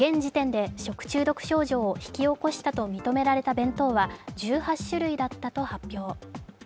また現時点で食中毒症状を引き起こしたと認められた弁当は１８種類だったと発表。